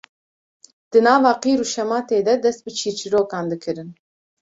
di nava qîr û şematê de dest bi çîrçîrokan dikirin